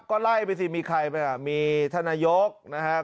ก็ไล่ไปสิมีใครไปอ่ะมีท่านนายกนะครับ